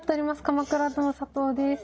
「鎌倉殿」佐藤です。